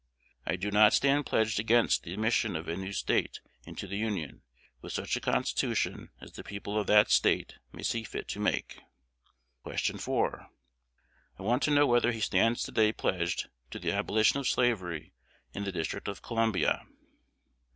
I do not stand pledged against the admission of a new State into the Union, with such a constitution as the people of that State may see fit to make. Q. 4. "I want to know whether he stands to day pledged to the abolition of slavery in the District of Columbia."